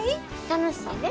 楽しいで。